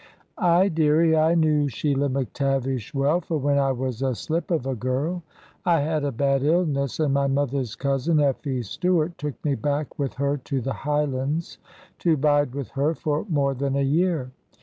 "Aye, dearie, I knew Sheila McTavish well, for when I was a slip of a girl I had a bad illness, and my mother's cousin, Effie Stuart, took me back with her to the Highlands to bide with her for more than a year.